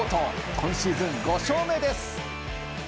今シーズン５勝目です。